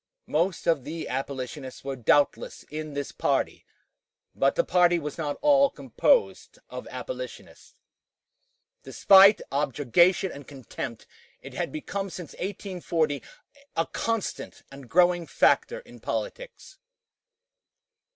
Most of the abolitionists were doubtless in this party, but the party was not all composed of abolitionists. Despite objurgation and contempt, it had become since 1840 a constant and growing factor in politics.